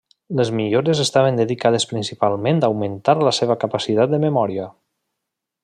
Les millores estaven dedicades principalment a augmentar la seva capacitat de memòria.